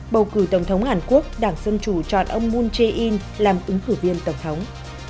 bầu cử tổng thống hàn quốc đảng dân chủ chọn ông moon jae in làm ứng cử viên tổng thống